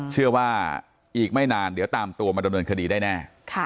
เชื่อว่าอีกไม่นานเดี๋ยวตามตัวมาดำเนินคดีได้แน่